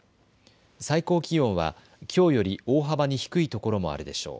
最高気温はきょうより大幅に低いところもあるでしょう。